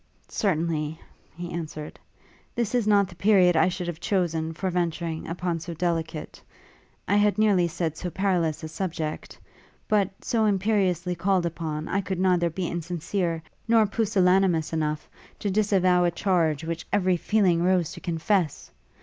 'Certainly,' he answered, 'this is not the period I should have chosen, for venturing upon so delicate I had nearly said so perilous a subject; but, so imperiously called upon, I could neither be insincere, nor pusillanimous enough, to disavow a charge which every feeling rose to confess!